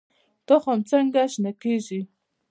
تخم څنګه شنه کیږي؟